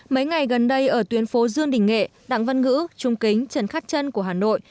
mấy ngày gần đây ở tuyến phố dương đình nghệ đặng văn ngữ trung kính trần khắc trân của hà nội